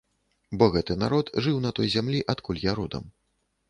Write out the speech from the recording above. Бо гэты народ жыў на той зямлі, адкуль я родам.